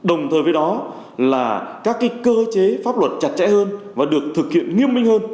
đồng thời với đó là các cơ chế pháp luật chặt chẽ hơn và được thực hiện nghiêm minh hơn